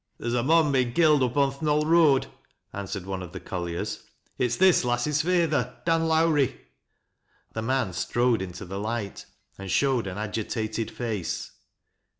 "There's a mon been killed up on th' Knoll Road," answered one of the colliers. " It's this lass's feyther, Dan Iiowrie." The man strode into the light and showed an agitated [ace.